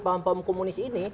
paham paham komunis ini